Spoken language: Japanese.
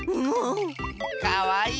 かわいい？